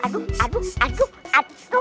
aduh aduh aduh aduh